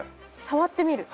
触ってみる？